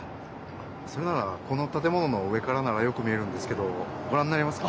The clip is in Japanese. それならこのたてものの上からならよく見えるんですけどごらんになりますか？